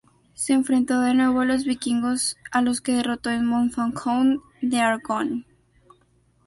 Se enfrentó de nuevo a los vikingos a los que derrotó en Montfaucon-d'Argonne.